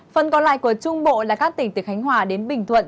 phần còn lại của trung bộ là các tỉnh từ khánh hòa đến bình thuận